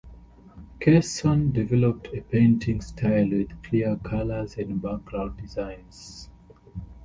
Casson developed a painting style with clear colours and background designs.